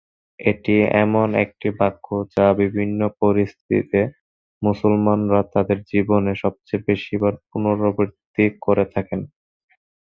এটা এমন একটি বাক্য যা বিভিন্ন পরিস্থিতিতে মুসলমানরা তাদের জীবনে সবচেয়ে বেশিবার পুনরাবৃত্তি করে থাকে।